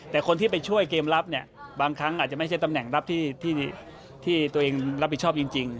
แต่คนที่ไปช่วยเกมรับเนี่ยบางครั้งอาจจะไม่ใช่ตำแหน่งรับที่ตัวเองรับผิดชอบจริง